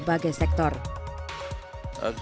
eja pun tak sendiri